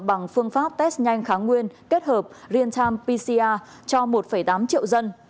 bằng phương pháp test nhanh kháng nguyên kết hợp rientam pcr cho một tám triệu dân